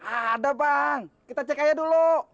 ada bang kita cek aja dulu